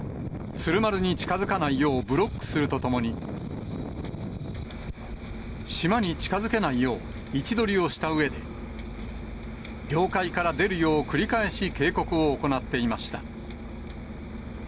鶴丸に近づかないようブロックするとともに、島に近づけないよう位置取りをしたうえで、領海から出るよう、繰り返し警告を行っていました。